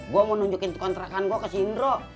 gue mau nunjukin kontrakan gue ke sindro